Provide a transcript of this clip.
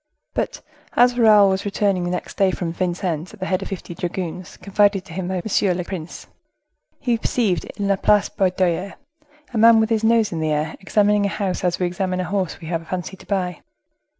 But as Raoul was returning the next day from Vincennes at the head of fifty dragoons confided to him by Monsieur le Prince, he perceived, in La Place Baudoyer, a man with his nose in the air, examining a house as we examine a horse we have a fancy to buy.